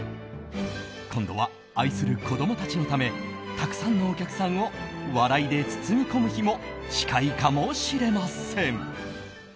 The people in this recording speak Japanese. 今度は愛する子供たちのためたくさんのお客さんを笑いで包み込む日も近いかもしれません。